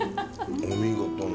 お見事な。